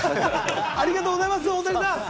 ありがとうございます、大谷さん。